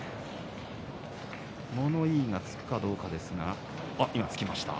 物言いがつくかどうかですが今、つきました。